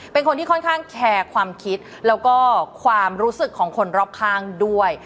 เป็นคนที่ค่อนข้างแคร์ความคิดแล้วก็ความรู้สึกของคนรอบข้างด้วย